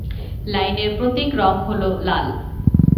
লাইনের প্রতীক রং হল লাল।